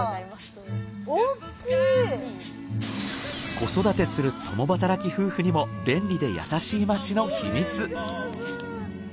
子育てする共働き夫婦にも便利で優しい街の秘密。